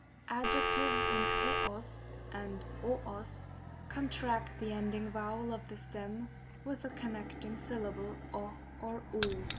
Adjectives in s og and o og^ con tract the ending vowel of the stem with the connect ing syllable o (co).